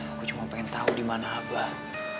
aku cuma pengen tau dimana abah